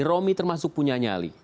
romi termasuk punya nyali